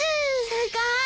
すごい！